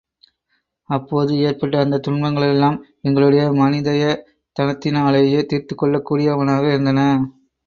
அப்போது ஏற்பட்ட அந்தத் துன்பங்களெல்லாம் எங்களுடைய மனிதயத்தனத்தினாலேயே தீர்த்துக் கொள்ளக் கூடியனவாக இருந்தன.